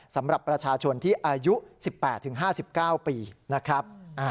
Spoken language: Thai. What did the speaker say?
สำหรับประชาชนที่อายุ๑๘๕๙ปีนะครับ